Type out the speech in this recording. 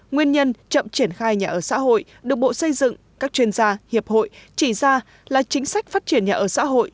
nguyên nhân chậm triển khai nhà ở xã hội được bộ xây dựng các chuyên gia hiệp hội chỉ ra là chính sách phát triển nhà ở xã hội